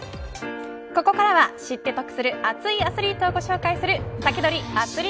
ここからは知って得する熱いアスリート情報をお届けするサキドリ！